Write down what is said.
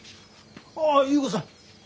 ああっ優子さん。